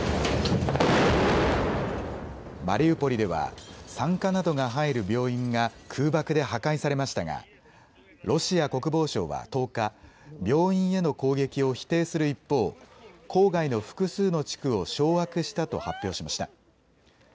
マリウポリでは産科などが入る病院が空爆で破壊されましたがロシア国防省は１０日、病院への攻撃を否定する一方、郊外の複数の地区を掌握したと発表しました。